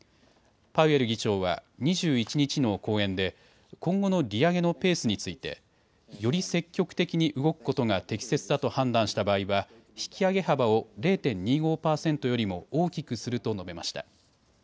パウエル議長は２１日の講演で今後の利上げのペースについてより積極的に動くことが適切だと判断した場合は引き上げ幅を０．２５％よりも大きくすると述べました。